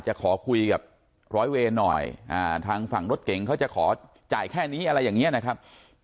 จะขอคุยกับร้อยเวรหน่อยทางฝั่งรถเก๋งเขาจะขอจ่ายแค่นี้อะไรอย่างนี้นะครับ